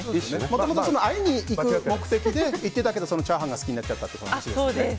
もともと会いに行く目的で行っていたけどチャーハンが好きになっちゃったって話ですよね。